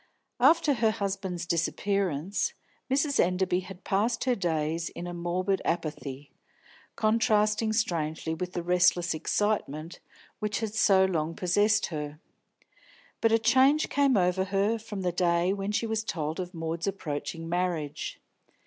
After her husband's disappearance, Mrs. Enderby had passed her days in a morbid apathy, contrasting strangely with the restless excitement which had so long possessed her. But a change came over her from the day when she was told of Maud's approaching marriage.